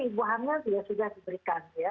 ibu hamil juga sudah diberikan ya